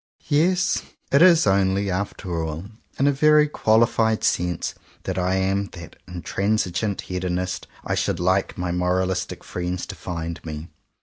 Yes, it is only, after all, in a very qualified sense that I am that intransigeant Hedonist I should like my moralistic friends to find me.